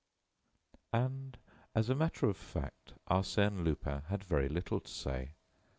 And, as a matter of fact, Arsène Lupin had very little to say.